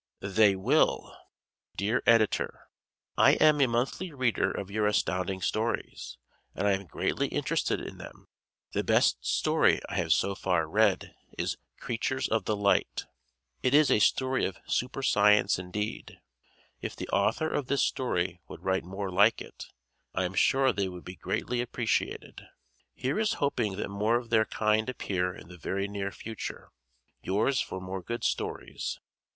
They Will! Dear Editor: I am a monthly reader of your Astounding Stories and I am greatly interested in them. The best story I have so far read is "Creatures of the Light." It is a story of Super science indeed. If the author of this story would write more like it, I am sure they would be greatly appreciated. Here is hoping that more of their kind appear in the very near future. Yours for more good stories.